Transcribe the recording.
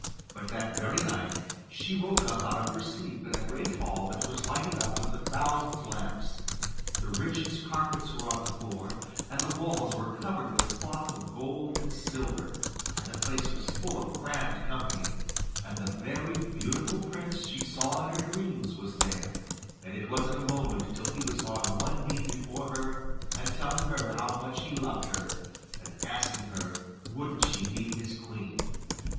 But that very night she woke up out of her sleep in a great hall that was lighted up with a thousand lamps; the richest carpets were on the floor, and the walls were covered with cloth of gold and silver, and the place was full of grand company, and the very beautiful prince she saw in her dreams was there, and it wasn't a moment till he was on one knee before her, and telling her how much he loved her, and asking her wouldn't she be his queen.